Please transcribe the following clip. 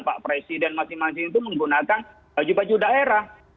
pak presiden masing masing itu menggunakan baju baju daerah